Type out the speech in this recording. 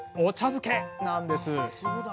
漬けなんです。